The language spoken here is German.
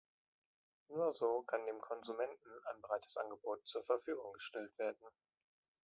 Nur so kann dem Konsumenten ein breites Angebot zur Verfügung gestellt werden.